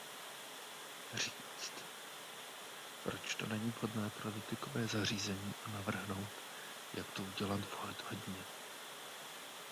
Říct, proč to není vhodné pro dotykové zařízení a navrhnout, jak to udělat vhodně.